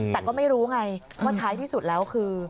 แต่ก็ไม่รู้ไงว่าท้ายที่สุดแล้วคือ